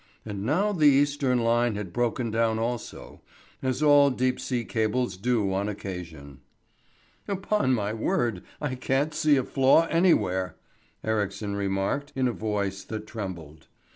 And now the Eastern line had broken down also, as all deep sea cables do on occasion. "Upon my word, I can't see a flaw anywhere," Ericsson remarked, in a voice that trembled.